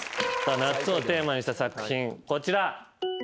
夏をテーマにした作品こちら。